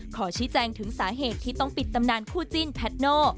ขอชี้แจงถึงสาเหตุที่ต้องปิดตำนานคู่จิ้นแพทโน่